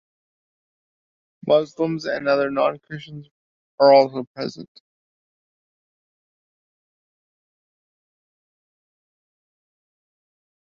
Muslims and other Non-Christians are also present.